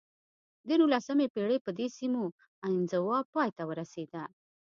د نولسمې پېړۍ په دې سیمو انزوا پای ته ورسېده.